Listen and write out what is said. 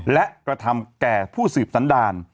และกระทำแก่ผู้สืบสันดาล